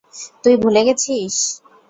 তুই ভুলে গেছিস?